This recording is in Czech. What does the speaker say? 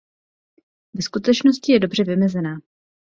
Ve skutečnosti je dobře vymezená.